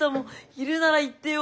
いるなら言ってよ。